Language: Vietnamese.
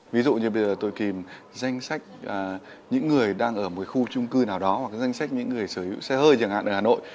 ví dụ như bây giờ tôi kìm danh sách những người đang ở một khu trung cư nào đó hoặc danh sách những người sở hữu xe hơi chẳng hạn ở hà nội